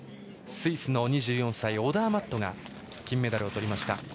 スイスの２４歳オダーマットが金メダルをとりました。